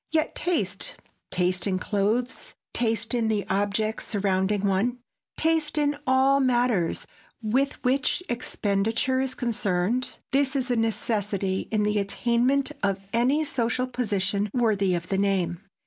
Yet taste,—taste in clothes, taste in the objects surrounding one, taste in all matters with which expenditure is concerned,—this is a necessity in the attainment of any social position worthy of the name.